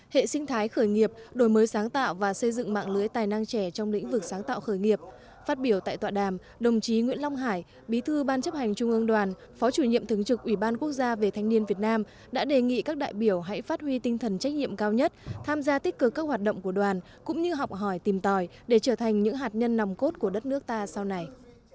hệ sinh thái khởi nghiệp đổi mới sáng tạo và xây dựng mạng lưới tài năng trẻ trong lĩnh vực sáng tạo khởi nghiệp phát biểu tại tọa đàm đồng chí nguyễn long hải bí thư ban chấp hành trung ương đoàn phó chủ nhiệm thứng trực ủy ban quốc gia về thanh niên việt nam đã đề nghị các đại biểu hãy phát huy tinh thần trách nhiệm cao nhất tham gia tích cực các hoạt động của đoàn cũng như học hỏi tìm tòi để trở thành những hạt nhân nòng cốt của đất nước ta sau này